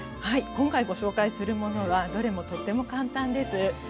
はい今回ご紹介するものはどれもとても簡単です。